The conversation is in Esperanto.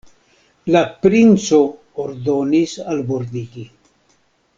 La princo ordonis albordigi.